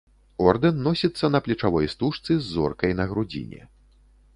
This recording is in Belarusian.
Ордэн носіцца на плечавой стужцы з зоркай на грудзіне.